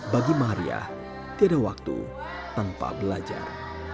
bagi maria tidak ada waktu tanpa belajar